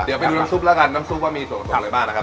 เดี๋ยวไปดูน้ำซุปแล้วกันน้ำซุปว่ามีส่วนผสมอะไรบ้างนะครับ